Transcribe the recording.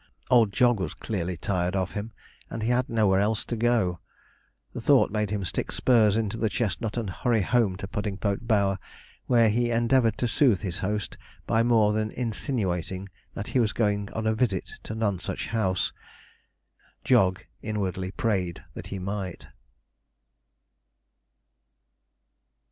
Old Jog was clearly tired of him; and he had nowhere else to go to. The thought made him stick spurs into the chestnut, and hurry home to Puddingpote Bower, where he endeavoured to soothe his host by more than insinuating that he was going on a visit to Nonsuch House. Jog inwardly prayed that he might.